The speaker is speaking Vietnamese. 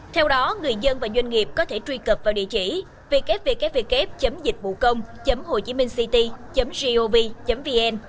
theo đó người dân và doanh nghiệp có thể truy cập vào địa chỉ www dịchvucong hochiminhcity gov vn